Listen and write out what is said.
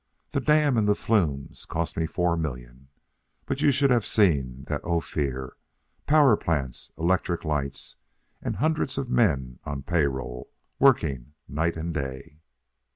The dam and the flume cost me four million. But you should have seen that Ophir power plants, electric lights, and hundreds of men on the pay roll, working night and day.